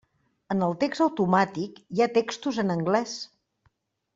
En el text automàtic hi ha textos en anglès.